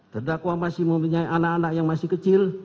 terdakwa masih mempunyai anak anak yang masih kecil